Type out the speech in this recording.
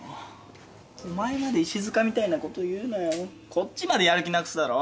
こっちまでやる気なくすだろ。